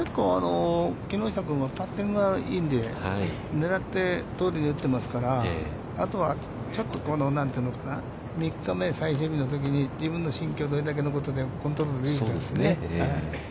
結構木下君はパッティングはいいんで、狙って、そのとおりに打ってますから、あとは、ちょっと３日目、最終日のときに自分の心境、どれだけコントロールできるかですね。